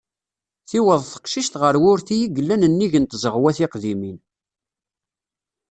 Tiweḍ teqcict ɣer wurti i yellan nnig n tzeɣwa tiqdimin.